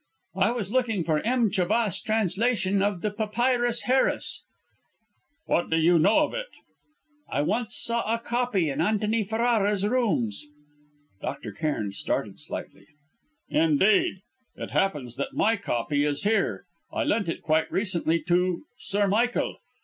"I was looking for M. Chabas' translation of the Papyrus Harris." "What do you know of it?" "I once saw a copy in Antony Ferrara's rooms." Dr. Cairn started slightly. "Indeed. It happens that my copy is here; I lent it quite recently to Sir Michael.